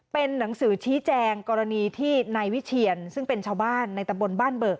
เป็นหนังสือชี้แจงกรณีที่นายวิเชียนซึ่งเป็นชาวบ้านในตำบลบ้านเบิก